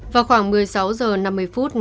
vào khoảng một mươi sáu giờ năm mươi phút